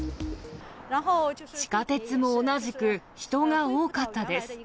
地下鉄も同じく、人が多かったです。